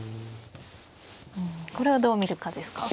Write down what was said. これをどう見るかですか。